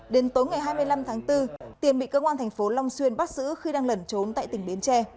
đến tối ngày hai mươi năm tháng bốn tiền bị công an thành phố long xuyên bắt giữ khi đang lẩn trốn tại tỉnh bến tre